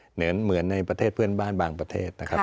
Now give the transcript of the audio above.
เหมือนในประเทศเพื่อนบ้านบางประเทศนะครับ